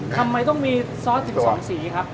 ทำไมต้องมีซอสอีกสองสีครับ